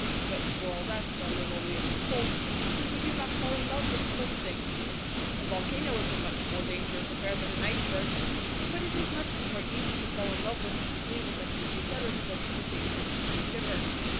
But, for all that, the linoleum is cold; and we do not fall in love with cold things. A volcano is a much more dangerous affair than an iceberg; but it is much more easy to fall in love with the things that make you shudder than with the things that make you shiver.